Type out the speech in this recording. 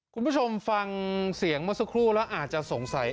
คุณผู้ชมฟังเสียงเมื่อสักครู่แล้วอาจจะสงสัย